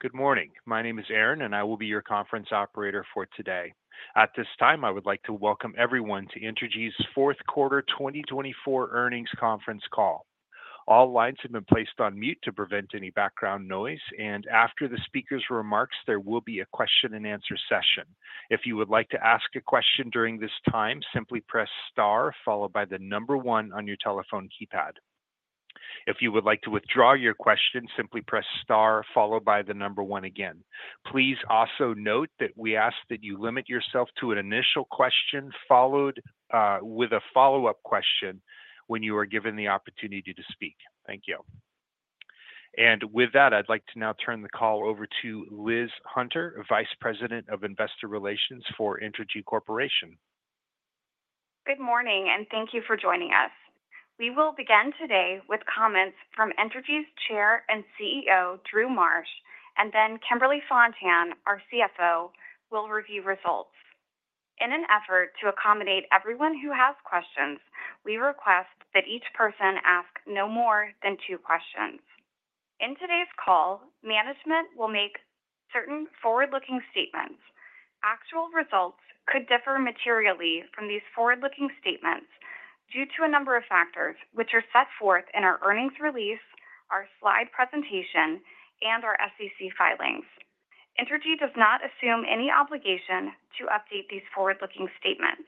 Good morning. My name is Aaron, and I will be your conference operator for today. At this time, I would like to welcome everyone to Entergy's fourth quarter 2024 earnings conference call. All lines have been placed on mute to prevent any background noise, and after the speaker's remarks, there will be a question-and-answer session. If you would like to ask a question during this time, simply press star followed by the number one on your telephone keypad. If you would like to withdraw your question, simply press star followed by the number one again. Please also note that we ask that you limit yourself to an initial question followed with a follow-up question when you are given the opportunity to speak. Thank you. And with that, I'd like to now turn the call over to Liz Hunter, VP of Investor Relations for Entergy Corporation. Good morning, and thank you for joining us. We will begin today with comments from Entergy's Chair and CEO, Drew Marsh, and then Kimberly Fontan, our CFO, who will review results. In an effort to accommodate everyone who has questions, we request that each person ask no more than two questions. In today's call, management will make certain forward-looking statements. Actual results could differ materially from these forward-looking statements due to a number of factors, which are set forth in our earnings release, our slide presentation, and our SEC filings. Entergy does not assume any obligation to update these forward-looking statements.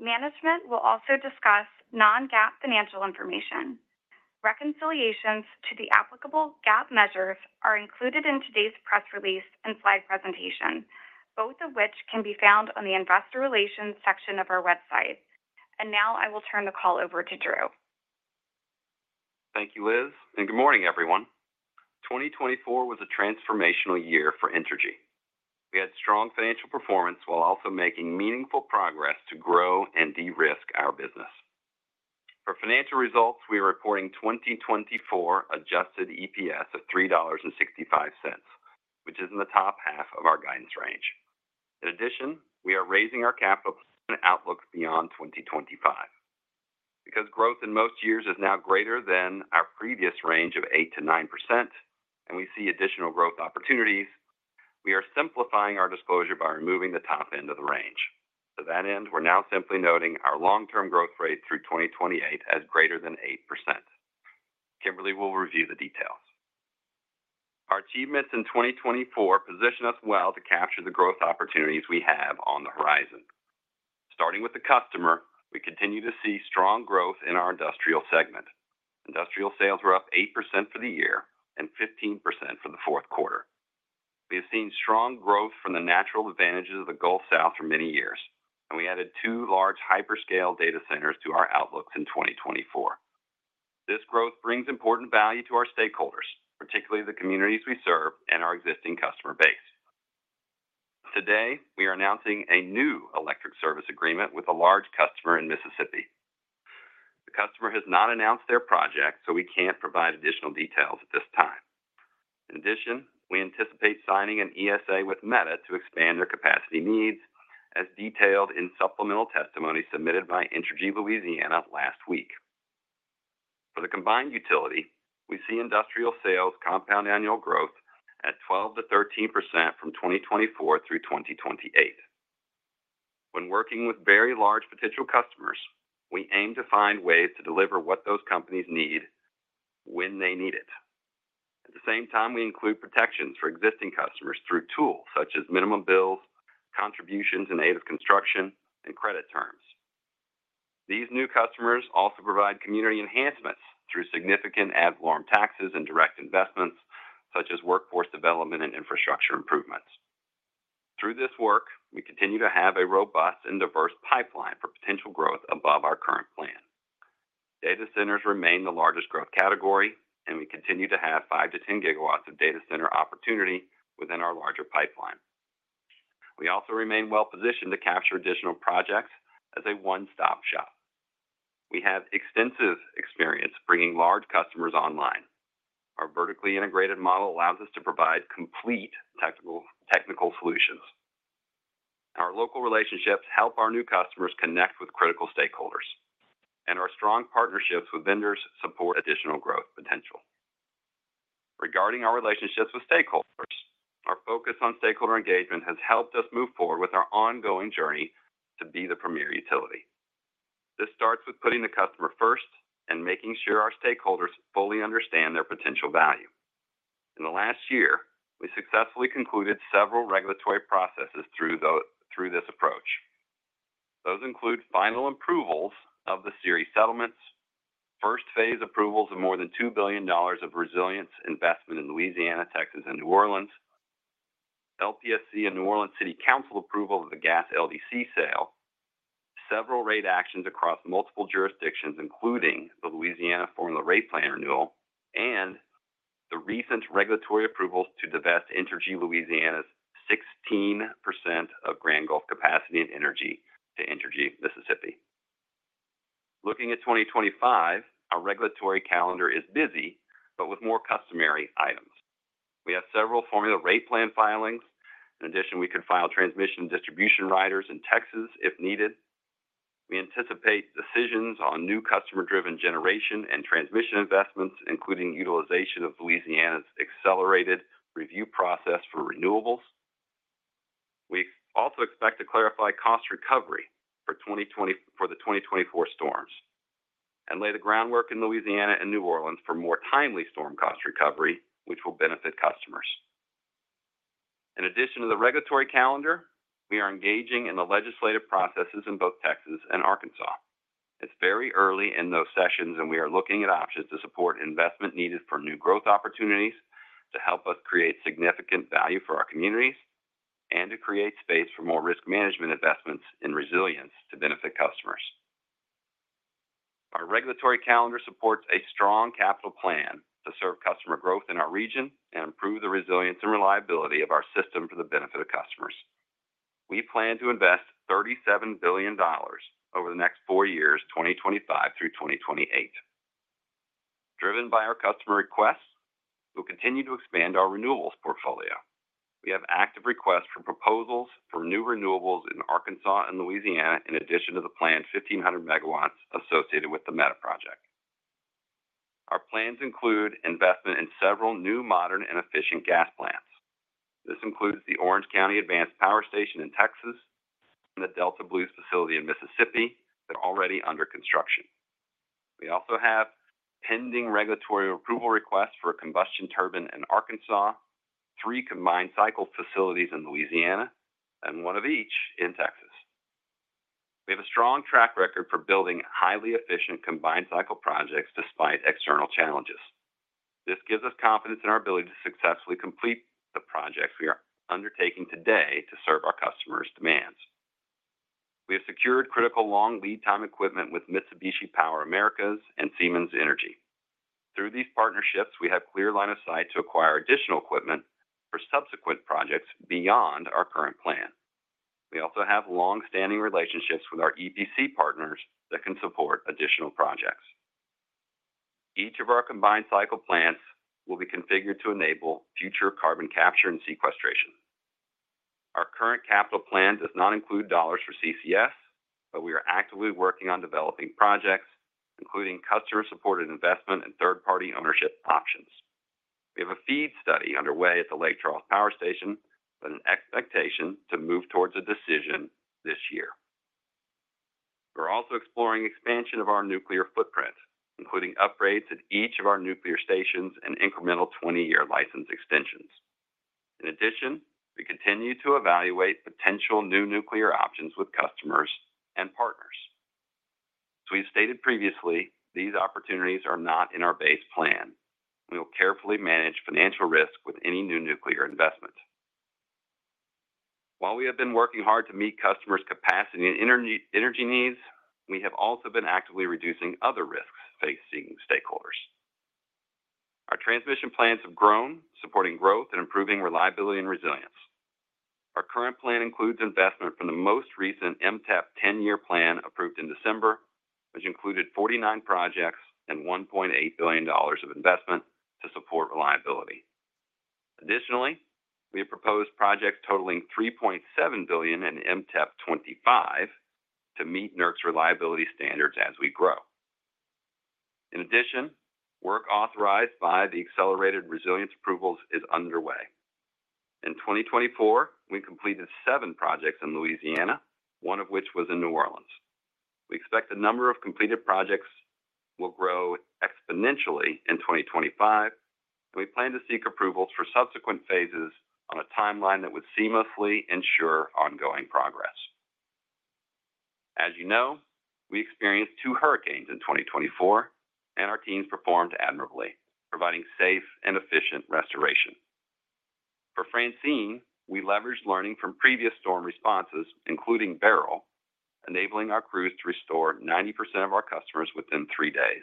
Management will also discuss non-GAAP financial information. Reconciliations to the applicable GAAP measures are included in today's press release and slide presentation, both of which can be found on the Investor Relations section of our website. And now I will turn the call over to Drew. Thank you, Liz. And good morning, everyone. 2024 was a transformational year for Entergy. We had strong financial performance while also making meaningful progress to grow and de-risk our business. For financial results, we are reporting 2024 adjusted EPS of $3.65, which is in the top half of our guidance range. In addition, we are raising our capital outlook beyond 2025. Because growth in most years is now greater than our previous range of 8%-9%, and we see additional growth opportunities, we are simplifying our disclosure by removing the top end of the range. To that end, we're now simply noting our long-term growth rate through 2028 as greater than 8%. Kimberly will review the details. Our achievements in 2024 position us well to capture the growth opportunities we have on the horizon. Starting with the customer, we continue to see strong growth in our industrial segment. Industrial sales were up 8% for the year and 15% for the fourth quarter. We have seen strong growth from the natural advantages of the Gulf South for many years, and we added two large hyperscale data centers to our outlooks in 2024. This growth brings important value to our stakeholders, particularly the communities we serve and our existing customer base. Today, we are announcing a new electric service agreement with a large customer in Mississippi. The customer has not announced their project, so we can't provide additional details at this time. In addition, we anticipate signing an ESA with Meta to expand their capacity needs, as detailed in supplemental testimony submitted by Entergy Louisiana last week. For the combined utility, we see industrial sales compound annual growth at 12%-13% from 2024 through 2028. When working with very large potential customers, we aim to find ways to deliver what those companies need when they need it. At the same time, we include protections for existing customers through tools such as minimum bills, contributions in aid of construction, and credit terms. These new customers also provide community enhancements through significant ad valorem taxes and direct investments such as workforce development and infrastructure improvements. Through this work, we continue to have a robust and diverse pipeline for potential growth above our current plan. Data centers remain the largest growth category, and we continue to have 5-10 gigawatts of data center opportunity within our larger pipeline. We also remain well-positioned to capture additional projects as a one-stop shop. We have extensive experience bringing large customers online. Our vertically integrated model allows us to provide complete technical solutions. Our local relationships help our new customers connect with critical stakeholders, and our strong partnerships with vendors support additional growth potential. Regarding our relationships with stakeholders, our focus on stakeholder engagement has helped us move forward with our ongoing journey to be the premier utility. This starts with putting the customer first and making sure our stakeholders fully understand their potential value. In the last year, we successfully concluded several regulatory processes through this approach. Those include final approvals of the SERI settlements, first phase approvals of more than $2 billion of resilience investment in Louisiana, Texas, and New Orleans, LPSC and New Orleans City Council approval of the gas LDC sale, several rate actions across multiple jurisdictions, including the Louisiana Formula Rate Plan renewal, and the recent regulatory approvals to divest Entergy Louisiana's 16% of Grand Gulf capacity and energy to Entergy Mississippi. Looking at 2025, our regulatory calendar is busy, but with more customary items. We have several Formula Rate Plan filings. In addition, we could file transmission and distribution riders in Texas if needed. We anticipate decisions on new customer-driven generation and transmission investments, including utilization of Louisiana's accelerated review process for renewables. We also expect to clarify cost recovery for the 2024 storms and lay the groundwork in Louisiana and New Orleans for more timely storm cost recovery, which will benefit customers. In addition to the regulatory calendar, we are engaging in the legislative processes in both Texas and Arkansas. It's very early in those sessions, and we are looking at options to support investment needed for new growth opportunities to help us create significant value for our communities and to create space for more risk management investments in resilience to benefit customers. Our regulatory calendar supports a strong capital plan to serve customer growth in our region and improve the resilience and reliability of our system for the benefit of customers. We plan to invest $37 billion over the next four years, 2025 through 2028. Driven by our customer requests, we'll continue to expand our renewables portfolio. We have active requests for proposals for new renewables in Arkansas and Louisiana, in addition to the planned 1,500 megawatts associated with the Meta project. Our plans include investment in several new, modern, and efficient gas plants. This includes the Orange County Advanced Power Station in Texas and the Delta Blues facility in Mississippi that are already under construction. We also have pending regulatory approval requests for a combustion turbine in Arkansas, three combined cycle facilities in Louisiana, and one of each in Texas. We have a strong track record for building highly efficient combined cycle projects despite external challenges. This gives us confidence in our ability to successfully complete the projects we are undertaking today to serve our customers' demands. We have secured critical long lead-time equipment with Mitsubishi Power Americas and Siemens Energy. Through these partnerships, we have clear line of sight to acquire additional equipment for subsequent projects beyond our current plan. We also have long-standing relationships with our EPC partners that can support additional projects. Each of our combined cycle plants will be configured to enable future carbon capture and sequestration. Our current capital plan does not include dollars for CCS, but we are actively working on developing projects, including customer-supported investment and third-party ownership options. We have a FEED study underway at the Lake Charles Power Station, but an expectation to move towards a decision this year. We're also exploring expansion of our nuclear footprint, including upgrades at each of our nuclear stations and incremental 20-year license extensions. In addition, we continue to evaluate potential new nuclear options with customers and partners. As we've stated previously, these opportunities are not in our base plan. We will carefully manage financial risk with any new nuclear investment. While we have been working hard to meet customers' capacity and energy needs, we have also been actively reducing other risks facing stakeholders. Our transmission plans have grown, supporting growth and improving reliability and resilience. Our current plan includes investment from the most recent MTEP 10-year plan approved in December, which included 49 projects and $1.8 billion of investment to support reliability. Additionally, we have proposed projects totaling $3.7 billion in MTEP25 to meet NERC's reliability standards as we grow. In addition, work authorized by the accelerated resilience approvals is underway. In 2024, we completed seven projects in Louisiana, one of which was in New Orleans. We expect the number of completed projects will grow exponentially in 2025, and we plan to seek approvals for subsequent phases on a timeline that would seamlessly ensure ongoing progress. As you know, we experienced two hurricanes in 2024, and our teams performed admirably, providing safe and efficient restoration. For Francine, we leveraged learning from previous storm responses, including Beryl, enabling our crews to restore 90% of our customers within three days.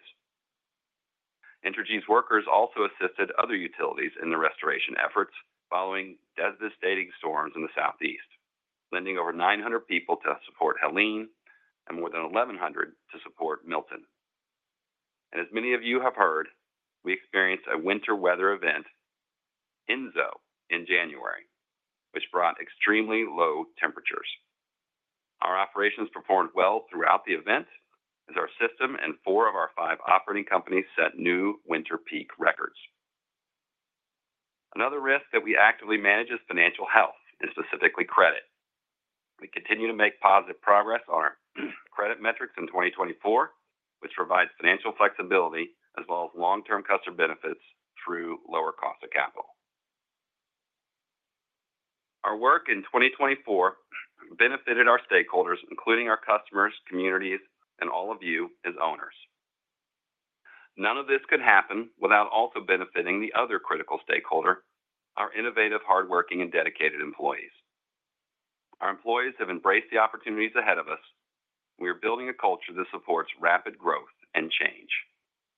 Entergy's workers also assisted other utilities in the restoration efforts following devastating storms in the southeast, lending over 900 people to support Helene and more than 1,100 to support Milton. And as many of you have heard, we experienced a winter weather event, INZO, in January, which brought extremely low temperatures. Our operations performed well throughout the event as our system and four of our five operating companies set new winter peak records. Another risk that we actively manage is financial health and specifically credit. We continue to make positive progress on our credit metrics in 2024, which provides financial flexibility as well as long-term customer benefits through lower cost of capital. Our work in 2024 benefited our stakeholders, including our customers, communities, and all of you as owners. None of this could happen without also benefiting the other critical stakeholder, our innovative, hardworking, and dedicated employees. Our employees have embraced the opportunities ahead of us, and we are building a culture that supports rapid growth and change.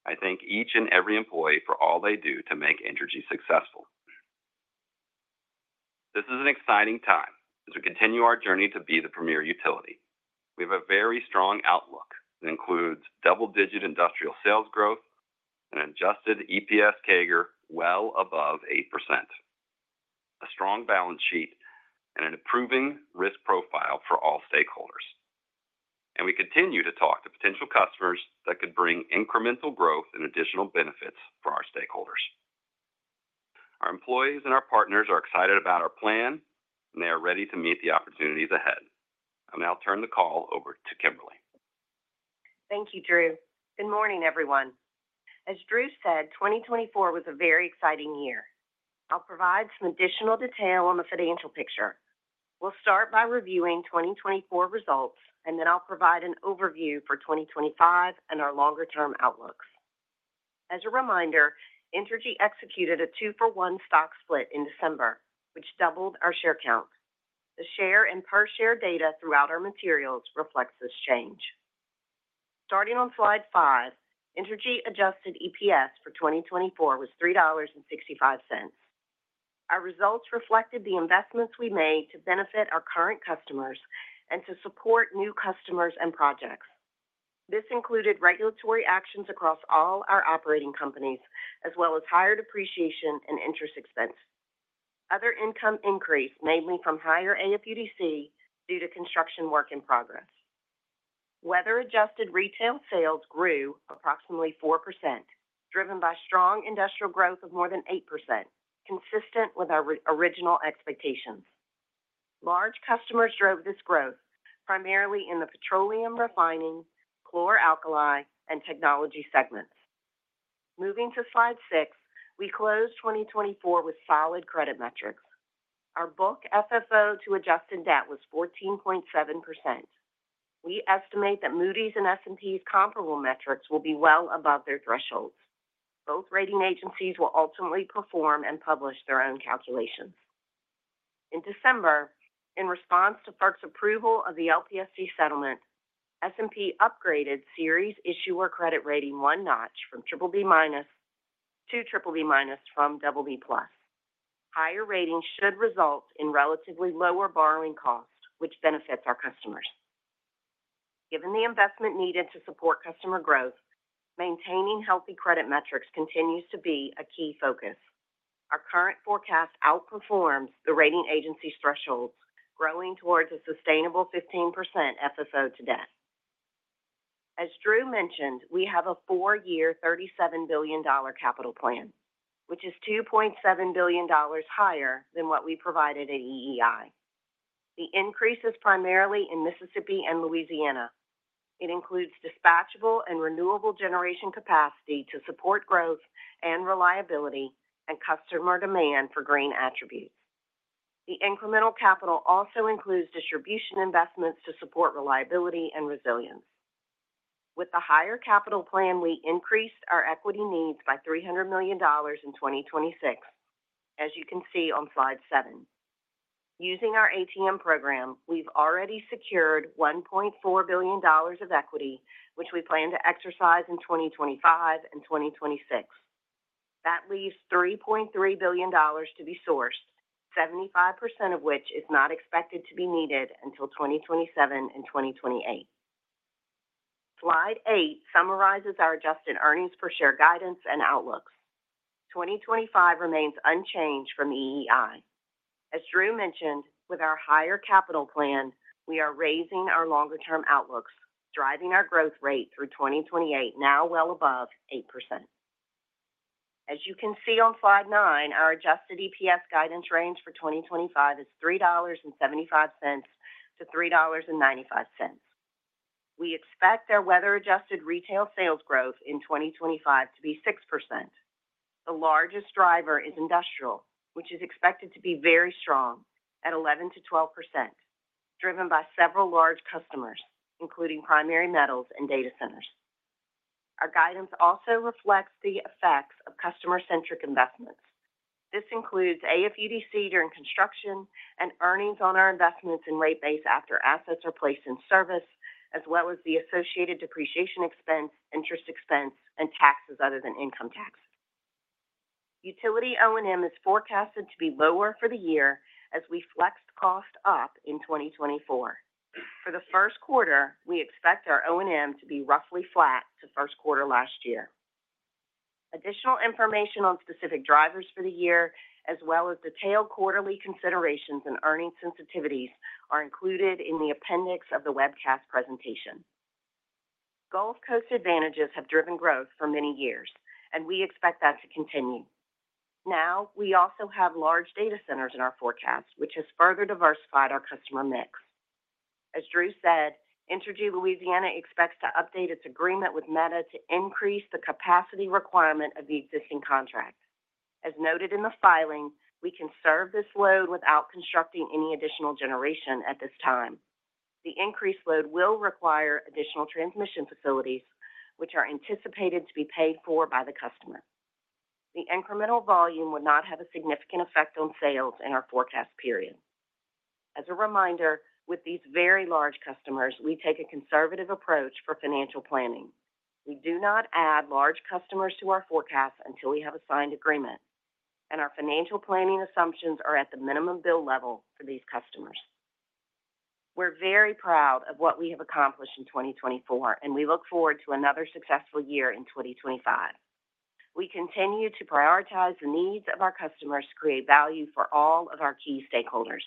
I thank each and every employee for all they do to make Entergy successful. This is an exciting time as we continue our journey to be the premier utility. We have a very strong outlook that includes double-digit industrial sales growth and an adjusted EPS CAGR well above 8%, a strong balance sheet, and an improving risk profile for all stakeholders. We continue to talk to potential customers that could bring incremental growth and additional benefits for our stakeholders. Our employees and our partners are excited about our plan, and they are ready to meet the opportunities ahead. I'm now turning the call over to Kimberly. Thank you, Drew. Good morning, everyone. As Drew said, 2024 was a very exciting year. I'll provide some additional detail on the financial picture. We'll start by reviewing 2024 results, and then I'll provide an overview for 2025 and our longer-term outlooks. As a reminder, Entergy executed a two-for-one stock split in December, which doubled our share count. The share and per-share data throughout our materials reflects this change. Starting on Slide five, Entergy adjusted EPS for 2024 was $3.65. Our results reflected the investments we made to benefit our current customers and to support new customers and projects. This included regulatory actions across all our operating companies, as well as higher depreciation and interest expense. Other income increased mainly from higher AFUDC due to construction work in progress. Weather-adjusted retail sales grew approximately 4%, driven by strong industrial growth of more than 8%, consistent with our original expectations. Large customers drove this growth primarily in the petroleum refining, chlor-alkali, and technology segments. Moving to Slide six, we closed 2024 with solid credit metrics. Our book FFO to adjusted debt was 14.7%. We estimate that Moody's and S&P's comparable metrics will be well above their thresholds. Both rating agencies will ultimately perform and publish their own calculations. In December, in response to FERC's approval of the LTSC settlement, S&P upgraded SERI issuer credit rating one notch from BBB minus to BBB plus. Higher ratings should result in relatively lower borrowing costs, which benefits our customers. Given the investment needed to support customer growth, maintaining healthy credit metrics continues to be a key focus. Our current forecast outperforms the rating agency's thresholds, growing towards a sustainable 15% FFO to debt. As Drew mentioned, we have a four-year $37 billion capital plan, which is $2.7 billion higher than what we provided at EEI. The increase is primarily in Mississippi and Louisiana. It includes dispatchable and renewable generation capacity to support growth and reliability and customer demand for green attributes. The incremental capital also includes distribution investments to support reliability and resilience. With the higher capital plan, we increased our equity needs by $300 million in 2026, as you can see on Slide seven. Using our ATM program, we've already secured $1.4 billion of equity, which we plan to exercise in 2025 and 2026. That leaves $3.3 billion to be sourced, 75% of which is not expected to be needed until 2027 and 2028. Slide eight summarizes our adjusted earnings per share guidance and outlooks. 2025 remains unchanged from EEI. As Drew mentioned, with our higher capital plan, we are raising our longer-term outlooks, driving our growth rate through 2028 now well above 8%. As you can see on Slide nine, our adjusted EPS guidance range for 2025 is $3.75-$3.95. We expect our weather-adjusted retail sales growth in 2025 to be 6%. The largest driver is industrial, which is expected to be very strong at 11%-12%, driven by several large customers, including primary metals and data centers. Our guidance also reflects the effects of customer-centric investments. This includes AFUDC during construction and earnings on our investments in rate base after assets are placed in service, as well as the associated depreciation expense, interest expense, and taxes other than income tax. Utility O&M is forecasted to be lower for the year as we flex cost up in 2024. For the first quarter, we expect our O&M to be roughly flat to first quarter last year. Additional information on specific drivers for the year, as well as detailed quarterly considerations and earnings sensitivities, are included in the appendix of the webcast presentation. Gulf Coast advantages have driven growth for many years, and we expect that to continue. Now, we also have large data centers in our forecast, which has further diversified our customer mix. As Drew said, Entergy Louisiana expects to update its agreement with Meta to increase the capacity requirement of the existing contract. As noted in the filing, we can serve this load without constructing any additional generation at this time. The increased load will require additional transmission facilities, which are anticipated to be paid for by the customer. The incremental volume would not have a significant effect on sales in our forecast period. As a reminder, with these very large customers, we take a conservative approach for financial planning. We do not add large customers to our forecast until we have a signed agreement, and our financial planning assumptions are at the minimum bill level for these customers. We're very proud of what we have accomplished in 2024, and we look forward to another successful year in 2025. We continue to prioritize the needs of our customers to create value for all of our key stakeholders.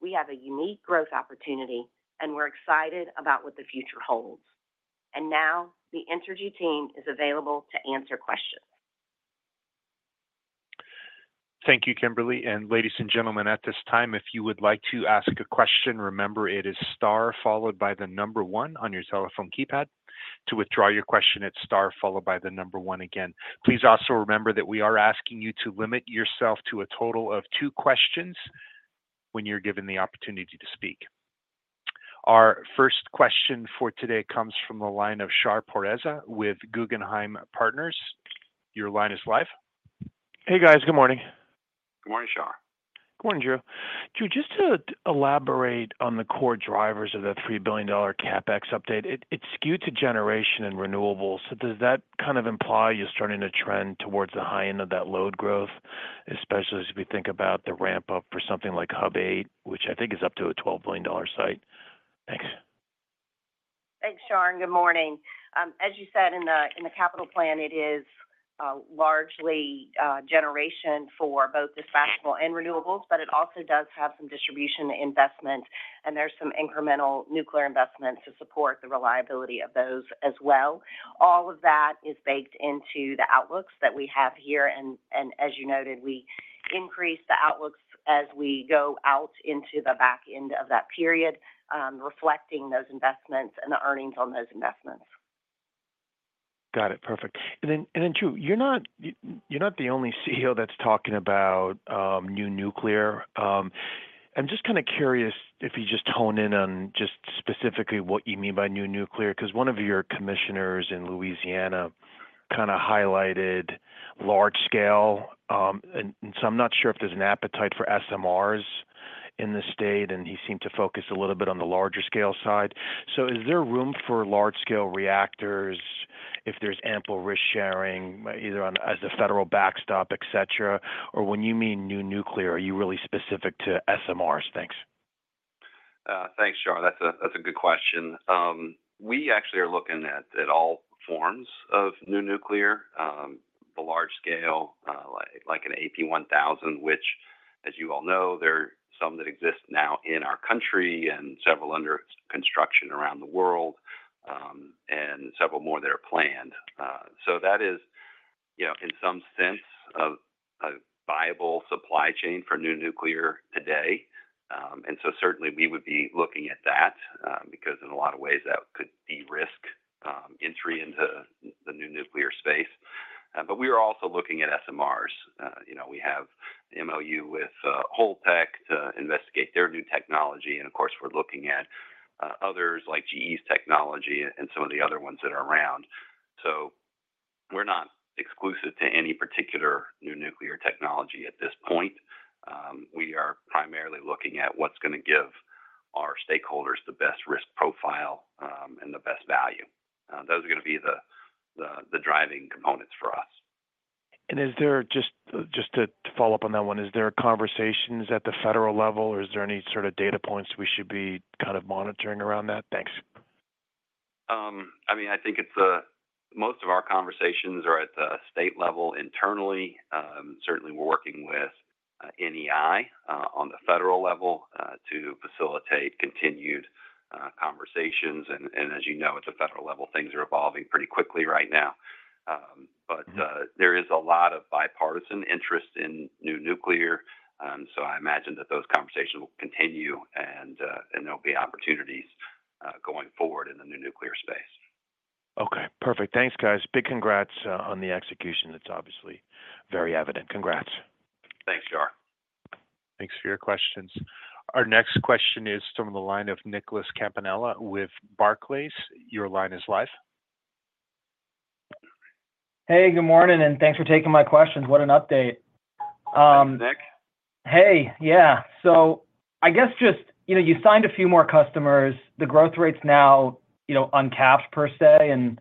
We have a unique growth opportunity, and we're excited about what the future holds. Now, the Entergy team is available to answer questions. Thank you, Kimberly. Ladies and gentlemen, at this time, if you would like to ask a question, remember it is star followed by the number one on your telephone keypad to withdraw your question. It's star followed by the number one again. Please also remember that we are asking you to limit yourself to a total of two questions when you're given the opportunity to speak. Our first question for today comes from the line of Shar Pourreza with Guggenheim Partners. Your line is live. Hey, guys. Good morning. Good morning, Shar. Good morning, Drew. Drew, just to elaborate on the core drivers of the $3 billion CapEx update, it's skewed to generation and renewables. Does that kind of imply you're starting to trend towards the high end of that load growth, especially as we think about the ramp-up for something like Hub 8, which I think is up to a $12 billion site? Thanks. Thanks, Shar. Good morning. As you said, in the capital plan, it is largely generation for both dispatchable and renewables, but it also does have some distribution investments, and there's some incremental nuclear investments to support the reliability of those as well. All of that is baked into the outlooks that we have here. And as you noted, we increase the outlooks as we go out into the back end of that period, reflecting those investments and the earnings on those investments. Got it. Perfect. And then, Drew, you're not the only CEO that's talking about new nuclear. I'm just kind of curious if you just hone in on just specifically what you mean by new nuclear, because one of your commissioners in Louisiana kind of highlighted large scale, and so I'm not sure if there's an appetite for SMRs in the state, and he seemed to focus a little bit on the larger scale side, so is there room for large scale reactors if there's ample risk sharing either as a federal backstop, et cetera? Or when you mean new nuclear, are you really specific to SMRs? Thanks. Thanks, Shar. That's a good question. We actually are looking at all forms of new nuclear, the large scale like an AP1000, which, as you all know, there are some that exist now in our country and several under construction around the world and several more that are planned. So that is, in some sense, a viable supply chain for new nuclear today. And so certainly we would be looking at that because in a lot of ways that could de-risk entry into the new nuclear space. But we are also looking at SMRs. We have MOU with Holtec to investigate their new technology. And of course, we're looking at others like GE's technology and some of the other ones that are around. So we're not exclusive to any particular new nuclear technology at this point. We are primarily looking at what's going to give our stakeholders the best risk profile and the best value. Those are going to be the driving components for us. And just to follow up on that one, is there conversations at the federal level, or is there any sort of data points we should be kind of monitoring around that? Thanks. I mean, I think most of our conversations are at the state level internally. Certainly, we're working with NEI on the federal level to facilitate continued conversations. And as you know, at the federal level, things are evolving pretty quickly right now. But there is a lot of bipartisan interest in new nuclear. So I imagine that those conversations will continue, and there'll be opportunities going forward in the new nuclear space. Okay. Perfect. Thanks, guys. Big congrats on the execution. It's obviously very evident. Congrats. Thanks, Shar. Thanks for your questions. Our next question is from the line of Nicholas Campanella with Barclays. Your line is live. Hey, good morning, and thanks for taking my questions. What an update. Hey, Nick. Hey. Yeah. So I guess just you signed a few more customers. The growth rate's now uncapped per se.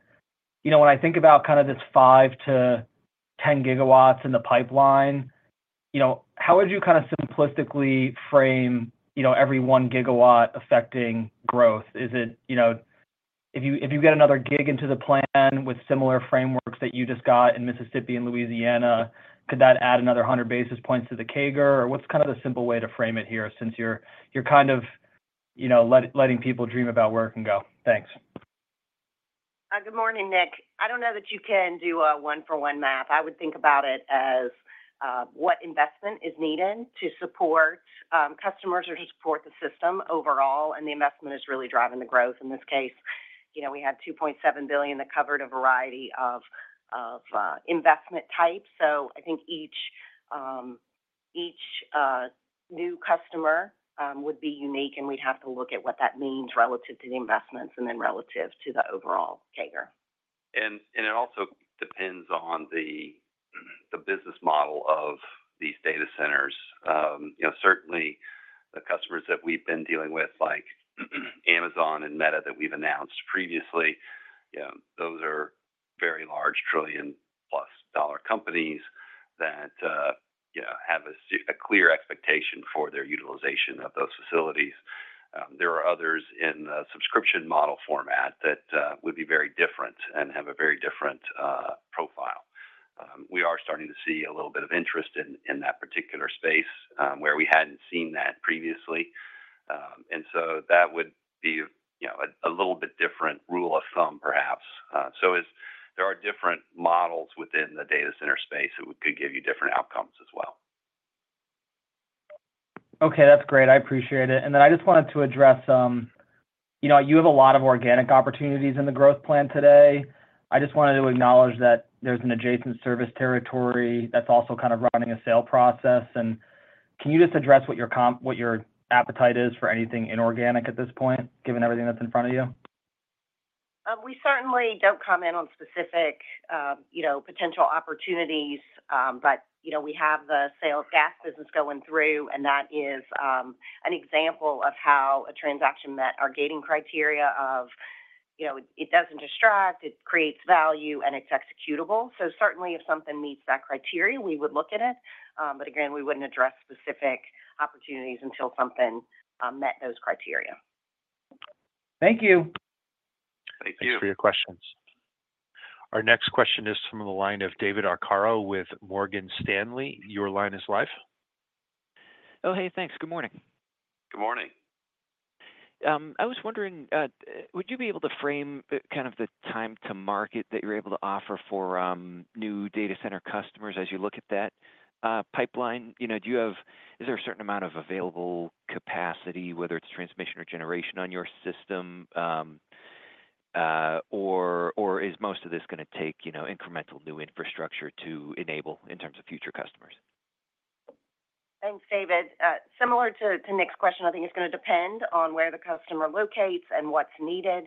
When I think about kind of this 5-10 gigawatts in the pipeline, how would you kind of simplistically frame every one gigawatt affecting growth? Is it if you get another gig into the plan with similar frameworks that you just got in Mississippi and Louisiana, could that add another 100 basis points to the CAGR? Or what's kind of the simple way to frame it here since you're kind of letting people dream about where it can go? Thanks. Good morning, Nick. I don't know that you can do a one-for-one math. I would think about it as what investment is needed to support customers or to support the system overall, and the investment is really driving the growth. In this case, we had $2.7 billion that covered a variety of investment types. So I think each new customer would be unique, and we'd have to look at what that means relative to the investments and then relative to the overall CAGR. And it also depends on the business model of these data centers. Certainly, the customers that we've been dealing with, like Amazon and Meta that we've announced previously, those are very large trillion-plus dollar companies that have a clear expectation for their utilization of those facilities. There are others in the subscription model format that would be very different and have a very different profile. We are starting to see a little bit of interest in that particular space where we hadn't seen that previously. And so that would be a little bit different rule of thumb, perhaps. So there are different models within the data center space that could give you different outcomes as well. Okay. That's great. I appreciate it. And then I just wanted to address you have a lot of organic opportunities in the growth plan today. I just wanted to acknowledge that there's an adjacent service territory that's also kind of running a sale process. And can you just address what your appetite is for anything inorganic at this point, given everything that's in front of you? We certainly don't comment on specific potential opportunities, but we have the sales gas business going through, and that is an example of how a transaction met our gating criteria of it doesn't distract, it creates value, and it's executable. So certainly, if something meets that criteria, we would look at it. But again, we wouldn't address specific opportunities until something met those criteria. Thank you. Thank you for your questions. Our next question is from the line of David Arcaro with Morgan Stanley. Your line is live. Oh, hey. Thanks. Good morning. Good morning. I was wondering, would you be able to frame kind of the time to market that you're able to offer for new data center customers as you look at that pipeline? Is there a certain amount of available capacity, whether it's transmission or generation on your system, or is most of this going to take incremental new infrastructure to enable in terms of future customers? Thanks, David. Similar to Nick's question, I think it's going to depend on where the customer locates and what's needed.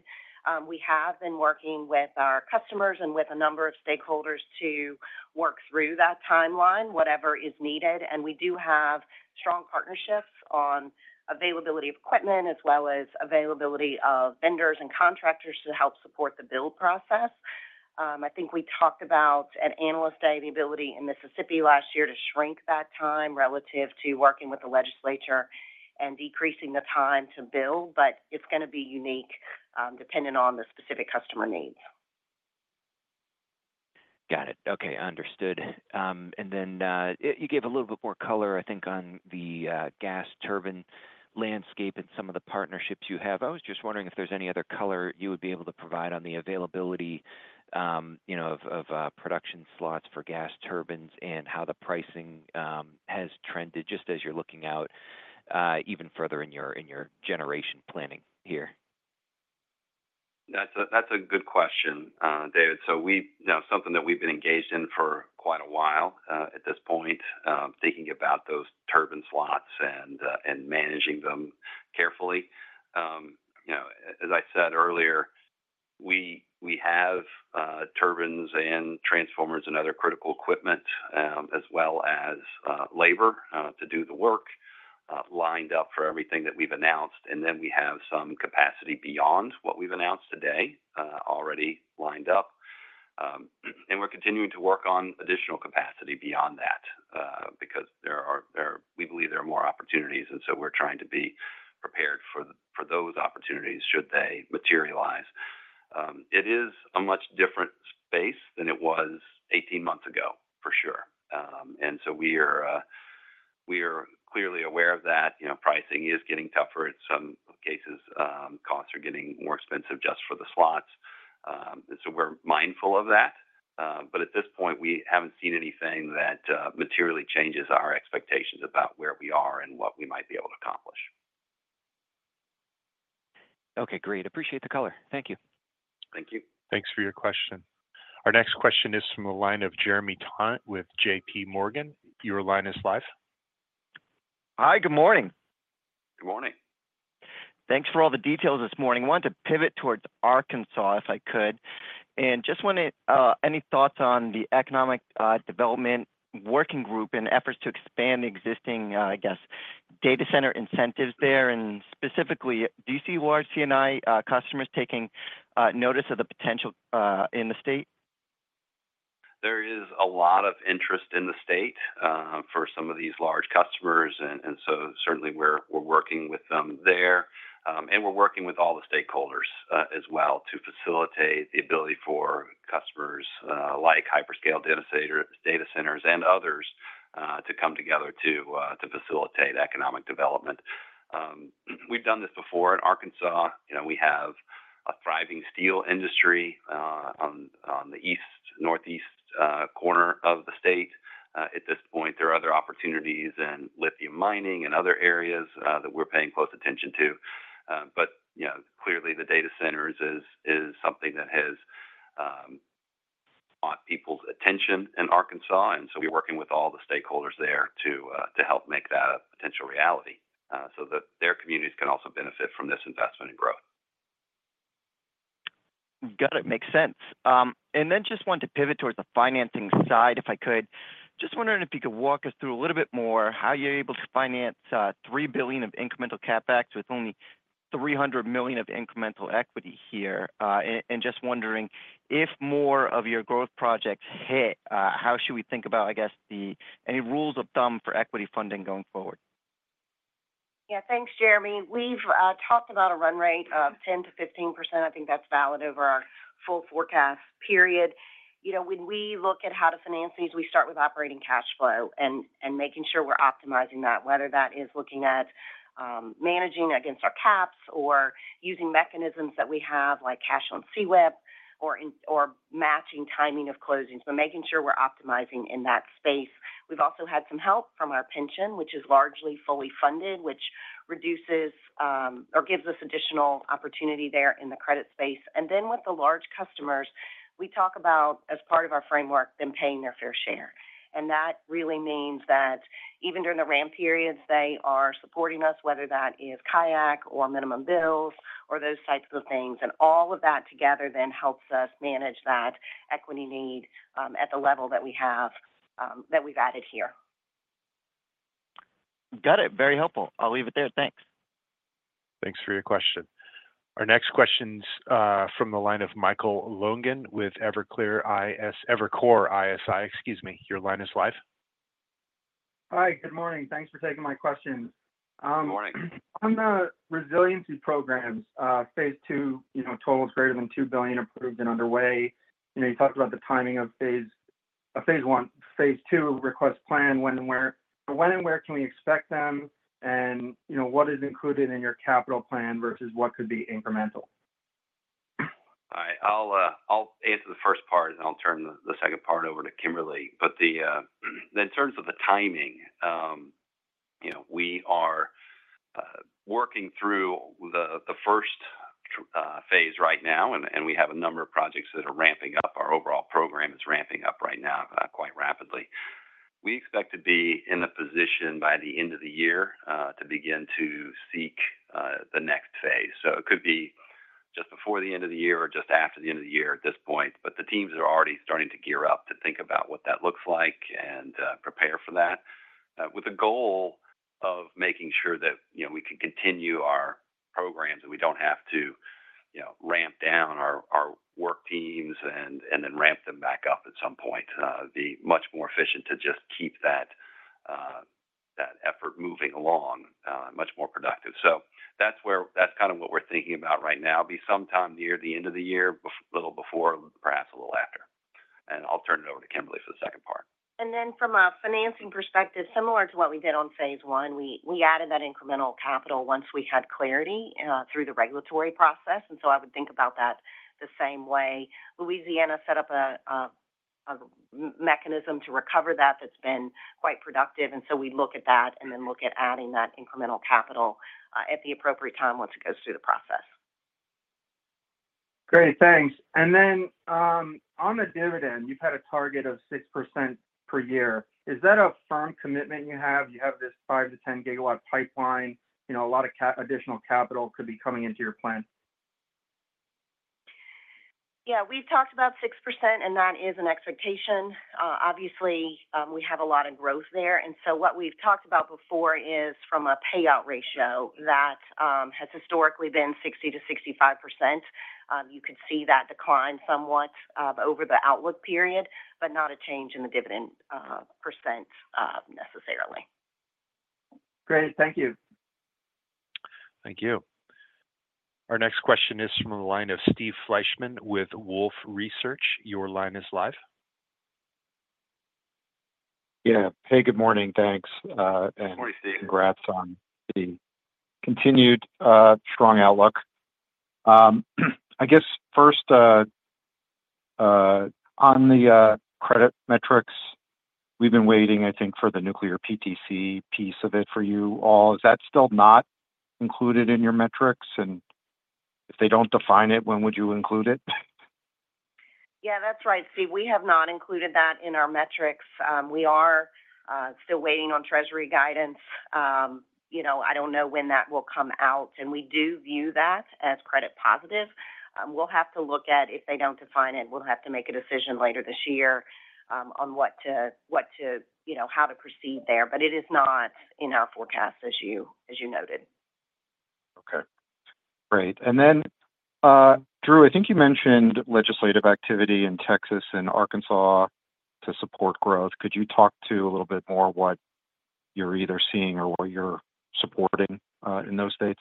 We have been working with our customers and with a number of stakeholders to work through that timeline, whatever is needed, and we do have strong partnerships on availability of equipment as well as availability of vendors and contractors to help support the build process. I think we talked about an alliance availability in Mississippi last year to shrink that time relative to working with the legislature and decreasing the time to build, but it's going to be unique depending on the specific customer needs. Got it. Okay. Understood. And then you gave a little bit more color, I think, on the gas turbine landscape and some of the partnerships you have. I was just wondering if there's any other color you would be able to provide on the availability of production slots for gas turbines and how the pricing has trended just as you're looking out even further in your generation planning here. That's a good question, David. So something that we've been engaged in for quite a while at this point, thinking about those turbine slots and managing them carefully. As I said earlier, we have turbines and transformers and other critical equipment as well as labor to do the work lined up for everything that we've announced. And then we have some capacity beyond what we've announced today already lined up. And we're continuing to work on additional capacity beyond that because we believe there are more opportunities. And so we're trying to be prepared for those opportunities should they materialize. It is a much different space than it was 18 months ago, for sure. And so we are clearly aware of that. Pricing is getting tougher. In some cases, costs are getting more expensive just for the slots. And so we're mindful of that. But at this point, we haven't seen anything that materially changes our expectations about where we are and what we might be able to accomplish. Okay. Great. Appreciate the color. Thank you. Thank you. Thanks for your question. Our next question is from the line of Jeremy Tonet with J.P. Morgan. Your line is live. Hi. Good morning. Good morning. Thanks for all the details this morning. I wanted to pivot towards Arkansas if I could. And just wanted any thoughts on the economic development working group and efforts to expand existing, I guess, data center incentives there. And specifically, do you see large CNI customers taking notice of the potential in the state? There is a lot of interest in the state for some of these large customers. And so certainly, we're working with them there. And we're working with all the stakeholders as well to facilitate the ability for customers like hyperscale data centers and others to come together to facilitate economic development. We've done this before in Arkansas. We have a thriving steel industry on the east, northeast corner of the state. At this point, there are other opportunities in lithium mining and other areas that we're paying close attention to. But clearly, the data centers is something that has caught people's attention in Arkansas. And so we're working with all the stakeholders there to help make that a potential reality so that their communities can also benefit from this investment and growth. Got it. Makes sense. And then just wanted to pivot towards the financing side if I could. Just wondering if you could walk us through a little bit more how you're able to finance $3 billion of incremental CapEx with only $300 million of incremental equity here. And just wondering, if more of your growth projects hit, how should we think about, I guess, any rules of thumb for equity funding going forward? Yeah. Thanks, Jeremy. We've talked about a run rate of 10%-15%. I think that's valid over our full forecast period. When we look at how to finance these, we start with operating cash flow and making sure we're optimizing that, whether that is looking at managing against our caps or using mechanisms that we have like cash on CWIP or matching timing of closings, but making sure we're optimizing in that space. We've also had some help from our pension, which is largely fully funded, which reduces or gives us additional opportunity there in the credit space. And then with the large customers, we talk about, as part of our framework, them paying their fair share. And that really means that even during the ramp periods, they are supporting us, whether that is take or pay or minimum bills or those types of things. And all of that together then helps us manage that equity need at the level that we have that we've added here. Got it. Very helpful. I'll leave it there. Thanks. Thanks for your question. Our next question's from the line of Michael Lonegan with Evercore ISI. Excuse me. Your line is live. Hi. Good morning. Thanks for taking my question. Good morning. On the resiliency programs, phase two totals greater than $2 billion approved and underway. You talked about the timing of phase one, phase two request plan, when and where. When and where can we expect them, and what is included in your capital plan versus what could be incremental? All right. I'll answer the first part, and I'll turn the second part over to Kimberly. In terms of the timing, we are working through the first phase right now, and we have a number of projects that are ramping up. Our overall program is ramping up right now quite rapidly. We expect to be in a position by the end of the year to begin to seek the next phase. So it could be just before the end of the year or just after the end of the year at this point. But the teams are already starting to gear up to think about what that looks like and prepare for that with a goal of making sure that we can continue our programs and we don't have to ramp down our work teams and then ramp them back up at some point. It'd be much more efficient to just keep that effort moving along, much more productive. So that's kind of what we're thinking about right now. It'll be sometime near the end of the year, a little before, perhaps a little after. And I'll turn it over to Kimberly for the second part. And then from a financing perspective, similar to what we did on phase one, we added that incremental capital once we had clarity through the regulatory process. And so I would think about that the same way. Louisiana set up a mechanism to recover that. That's been quite productive. And so we look at that and then look at adding that incremental capital at the appropriate time once it goes through the process. Great. Thanks. And then on the dividend, you've had a target of 6% per year. Is that a firm commitment you have? You have this 5-10 gigawatt pipeline. A lot of additional capital could be coming into your plan. Yeah. We've talked about 6%, and that is an expectation. Obviously, we have a lot of growth there. And so what we've talked about before is from a payout ratio that has historically been 60%-65%. You could see that decline somewhat over the outlook period, but not a change in the dividend percent necessarily. Great. Thank you. Thank you. Our next question is from the line of Steve Fleishman with Wolfe Research. Your line is live. Yeah. Hey, good morning. Thanks. And congrats on the continued strong outlook. I guess first, on the credit metrics, we've been waiting, I think, for the nuclear PTC piece of it for you all. Is that still not included in your metrics? And if they don't define it, when would you include it? Yeah, that's right. See, we have not included that in our metrics. We are still waiting on Treasury guidance. I don't know when that will come out. And we do view that as credit positive. We'll have to look at if they don't define it. We'll have to make a decision later this year on what, how to proceed there. But it is not in our forecast, as you noted. Okay. Great. And then, Drew, I think you mentioned legislative activity in Texas and Arkansas to support growth. Could you talk a little bit more what you're either seeing or what you're supporting in those states?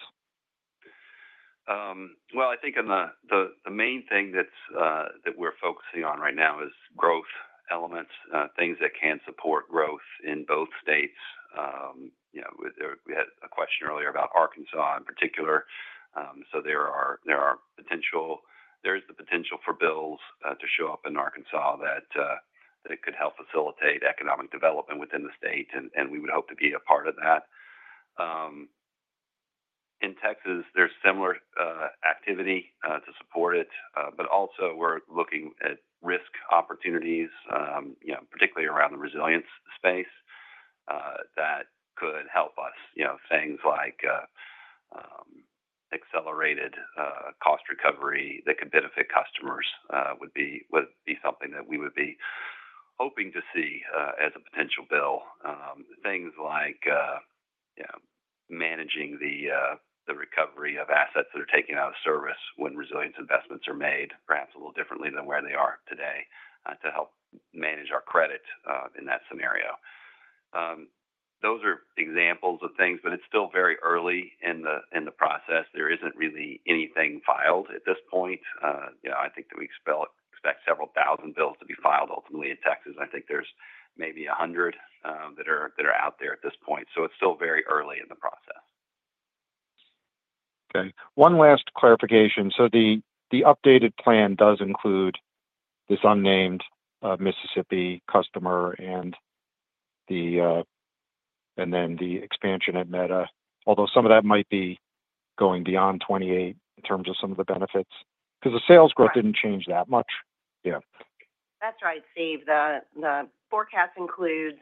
Well, I think the main thing that we're focusing on right now is growth elements, things that can support growth in both states. We had a question earlier about Arkansas in particular. So there is the potential for bills to show up in Arkansas that could help facilitate economic development within the state. And we would hope to be a part of that. In Texas, there's similar activity to support it. But also, we're looking at risk opportunities, particularly around the resilience space, that could help us. Things like accelerated cost recovery that could benefit customers would be something that we would be hoping to see as a potential bill. Things like managing the recovery of assets that are taken out of service when resilience investments are made, perhaps a little differently than where they are today, to help manage our credit in that scenario. Those are examples of things, but it's still very early in the process. There isn't really anything filed at this point. I think that we expect several thousand bills to be filed ultimately in Texas. I think there's maybe 100 that are out there at this point. So it's still very early in the process. Okay. One last clarification. So the updated plan does include this unnamed Mississippi customer and then the expansion at Meta, although some of that might be going beyond 28 in terms of some of the benefits because the sales growth didn't change that much. Yeah. That's right, Steve. The forecast includes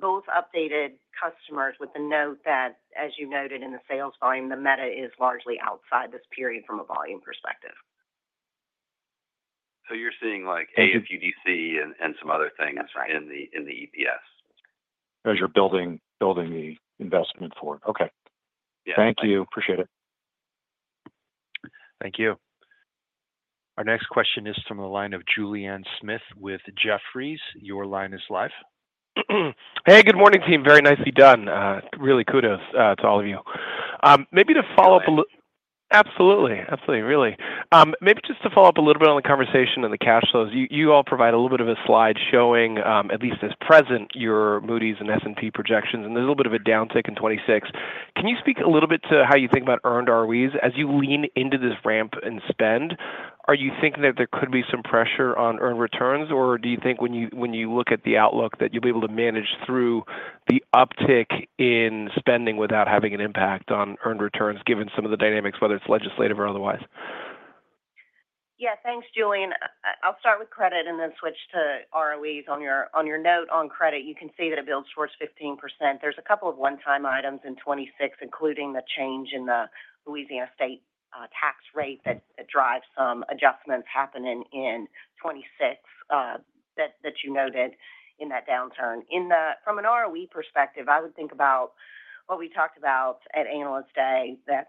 both updated customers with the note that, as you noted in the sales volume, the Meta is largely outside this period from a volume perspective. So you're seeing AFUDC and some other things in the EPS. As you're building the investment forward. Okay. Thank you. Appreciate it. Thank you. Our next question is from the line of Julien Dumoulin-Smith with Jefferies. Your line is live. Hey, good morning, team. Very nicely done. Really kudos to all of you. Maybe to follow up a little, absolutely. Absolutely. Really. Maybe just to follow up a little bit on the conversation and the cash flows. You all provide a little bit of a slide showing, at least as presented, your Moody's and S&P projections. And there's a little bit of a downtick in 2026. Can you speak a little bit to how you think about earned ROEs as you lean into this ramp and spend? Are you thinking that there could be some pressure on earned returns, or do you think when you look at the outlook that you'll be able to manage through the uptick in spending without having an impact on earned returns, given some of the dynamics, whether it's legislative or otherwise? Yeah. Thanks, Julian. I'll start with credit and then switch to ROEs. On your note on credit, you can see that it builds towards 15%. There's a couple of one-time items in 2026, including the change in the Louisiana state tax rate that drives some adjustments happening in 2026 that you noted in that downturn. From an ROE perspective, I would think about what we talked about at analyst day that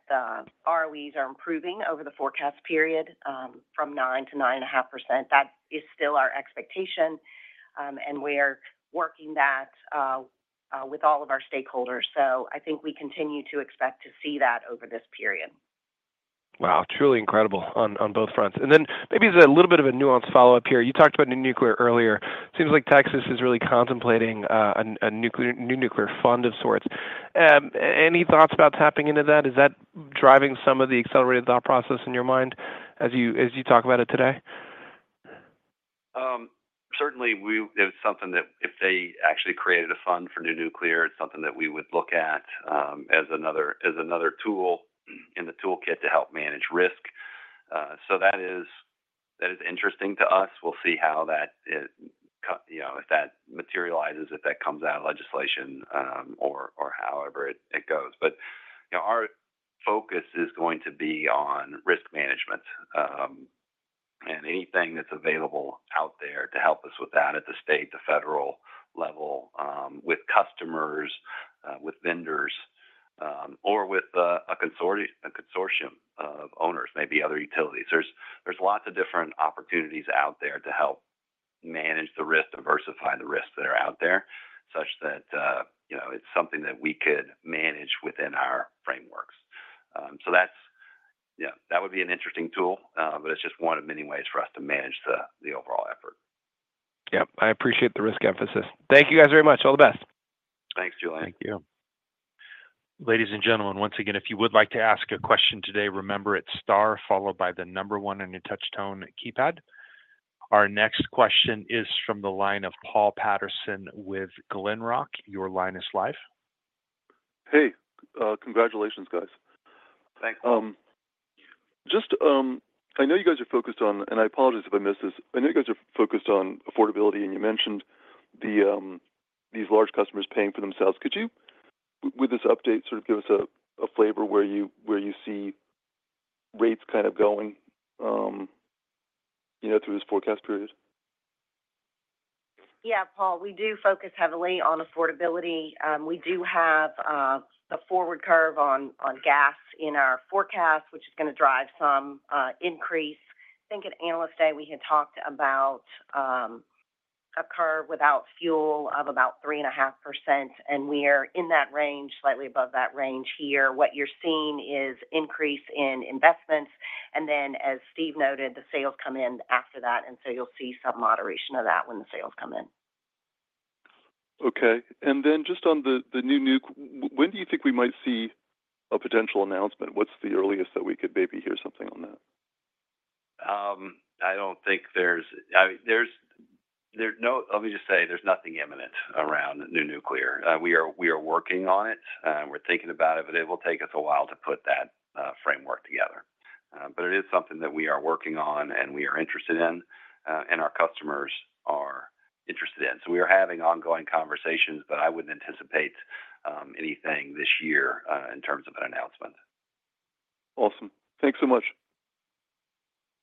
ROEs are improving over the forecast period from 9% to 9.5%. That is still our expectation, and we're working that with all of our stakeholders, so I think we continue to expect to see that over this period. Wow. Truly incredible on both fronts, and then maybe it's a little bit of a nuanced follow-up here. You talked about new nuclear earlier. It seems like Texas is really contemplating a new nuclear fund of sorts. Any thoughts about tapping into that? Is that driving some of the accelerated thought process in your mind as you talk about it today? Certainly, it's something that if they actually created a fund for new nuclear, it's something that we would look at as another tool in the toolkit to help manage risk. So that is interesting to us. We'll see how that materializes, if that comes out of legislation or however it goes. But our focus is going to be on risk management and anything that's available out there to help us with that at the state to federal level with customers, with vendors, or with a consortium of owners, maybe other utilities. There's lots of different opportunities out there to help manage the risk and diversify the risks that are out there such that it's something that we could manage within our frameworks. So that would be an interesting tool, but it's just one of many ways for us to manage the overall effort. Yep. I appreciate the risk emphasis. Thank you guys very much. All the best. Thanks, Julian. Thank you. Ladies and gentlemen, once again, if you would like to ask a question today, remember it's star followed by the number one on your touch-tone keypad. Our next question is from the line of Paul Patterson with Glenrock. Your line is live. Hey. Congratulations, guys. Thanks. I know you guys are focused on, and I apologize if I missed this, I know you guys are focused on affordability, and you mentioned these large customers paying for themselves. Could you, with this update, sort of give us a flavor where you see rates kind of going through this forecast period? Yeah, Paul, we do focus heavily on affordability. We do have a forward curve on gas in our forecast, which is going to drive some increase. I think at analyst day, we had talked about a curve without fuel of about 3.5%. And we are in that range, slightly above that range here. What you're seeing is an increase in investments. And then, as Steve noted, the sales come in after that. And so you'll see some moderation of that when the sales come in. Okay. And then just on the new nuclear, when do you think we might see a potential announcement? What's the earliest that we could maybe hear something on that? I don't think there's. Let me just say there's nothing imminent around new nuclear. We are working on it. We're thinking about it, but it will take us a while to put that framework together. But it is something that we are working on and we are interested in, and our customers are interested in. So we are having ongoing conversations, but I wouldn't anticipate anything this year in terms of an announcement. Awesome. Thanks so much.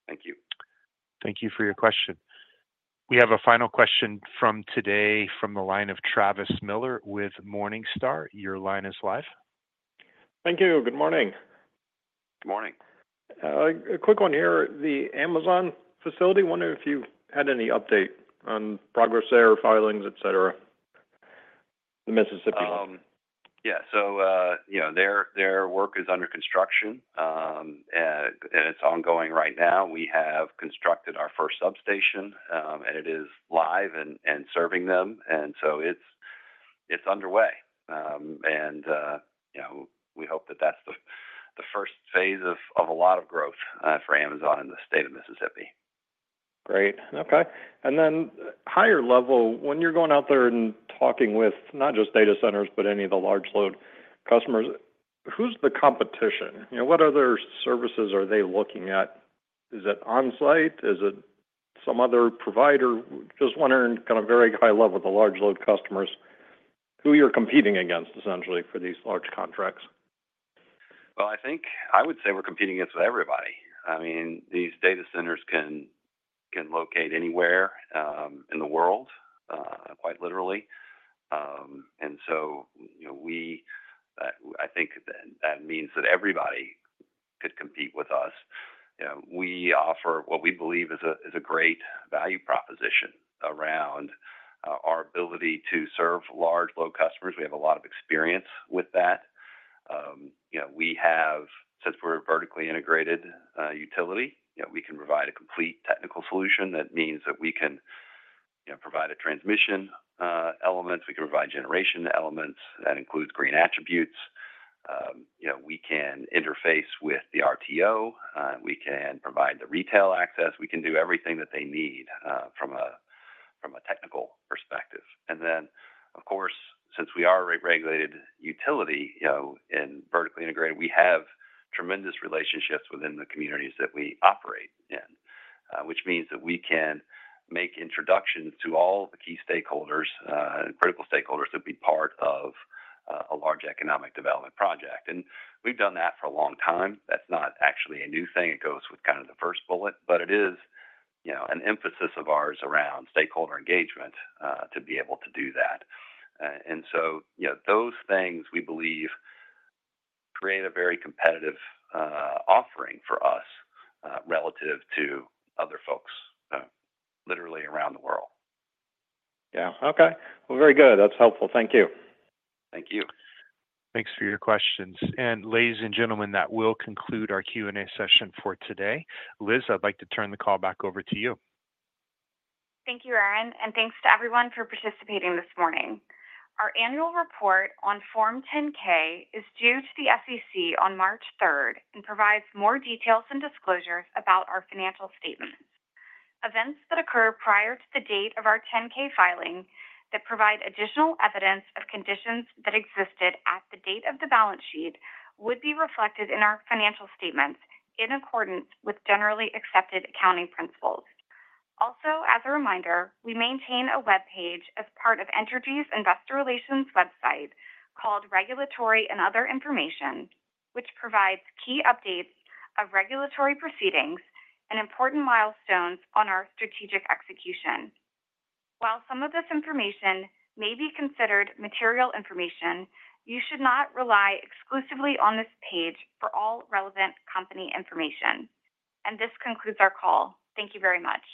Thank you. Thank you for your question. We have a final question from today from the line of Travis Miller with Morningstar. Your line is live. Thank you. Good morning. Good morning. A quick one here. The Amazon facility, wondering if you had any update on progress there, filings, etc., the Mississippi one. Yeah. So their work is under construction, and it's ongoing right now. We have constructed our first substation, and it is live and serving them. And so it's underway. And we hope that that's the first phase of a lot of growth for Amazon in the state of Mississippi. Great. Okay. Then higher level, when you're going out there and talking with not just data centers, but any of the large load customers, who's the competition? What other services are they looking at? Is it on-site? Is it some other provider? Just wondering kind of very high level with the large load customers, who you're competing against, essentially, for these large contracts? Well, I would say we're competing against everybody. I mean, these data centers can locate anywhere in the world, quite literally. And so I think that means that everybody could compete with us. We offer what we believe is a great value proposition around our ability to serve large load customers. We have a lot of experience with that. Since we're a vertically integrated utility, we can provide a complete technical solution. That means that we can provide a transmission element. We can provide generation elements. That includes green attributes. We can interface with the RTO. We can provide the retail access. We can do everything that they need from a technical perspective. And then, of course, since we are a regulated utility and vertically integrated, we have tremendous relationships within the communities that we operate in, which means that we can make introductions to all the key stakeholders, critical stakeholders that would be part of a large economic development project. And we've done that for a long time. That's not actually a new thing. It goes with kind of the first bullet. But it is an emphasis of ours around stakeholder engagement to be able to do that. And so those things, we believe, create a very competitive offering for us relative to other folks literally around the world. Yeah. Okay. Well, very good. That's helpful. Thank you. Thank you. Thanks for your questions. Ladies and gentlemen, that will conclude our Q&A session for today. Liz, I'd like to turn the call back over to you. Thank you, Aaron. Thanks to everyone for participating this morning. Our annual report on Form 10-K is due to the SEC on March 3rd and provides more details and disclosures about our financial statements. Events that occur prior to the date of our 10-K filing that provide additional evidence of conditions that existed at the date of the balance sheet would be reflected in our financial statements in accordance with generally accepted accounting principles. Also, as a reminder, we maintain a webpage as part of Entergy's investor relations website called Regulatory and Other Information, which provides key updates of regulatory proceedings and important milestones on our strategic execution. While some of this information may be considered material information, you should not rely exclusively on this page for all relevant company information. And this concludes our call. Thank you very much.